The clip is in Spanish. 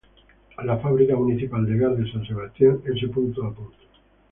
La Fábrica Municipal de gas de San Sebastián s. a.